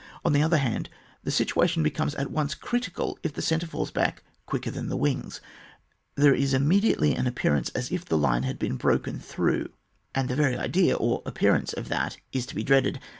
On the other hand, the situation becomes at once critical if the centre falls back quicker than the wings ; there is immediately an appearance as if the line had been broken through, and even the very idea or appearance of that is to be dreaded.